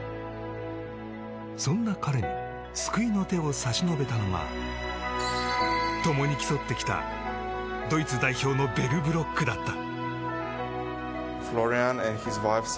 そんな彼に救いの手を差し伸べたのはともに競ってきた、ドイツ代表のベルブロックだった。